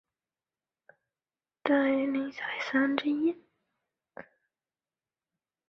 新科普是荷兰南荷兰省的一个基层政权。